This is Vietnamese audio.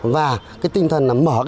và tinh thần mở